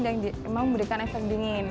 dan memberikan efek dingin